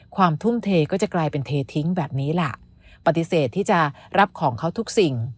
ทุ่มเทก็จะกลายเป็นเททิ้งแบบนี้ล่ะปฏิเสธที่จะรับของเขาทุกสิ่ง